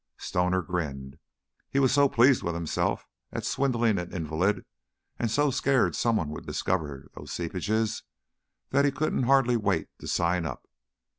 Stoner grinned. "He was so pleased with himself at swindling an invalid, and so scared somebody would discover those seepages that he couldn't hardly wait to sign up.